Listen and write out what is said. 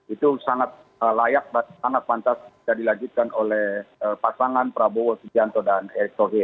itu sangat layak dan sangat pantas dilajutkan oleh pasangan prabowo sijanto dan erick thohir